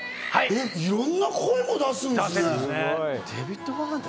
いろんな声も出すんですね。